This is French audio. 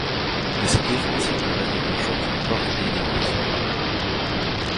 De ces défenses il ne reste de nos jours qu'une porte et l’église.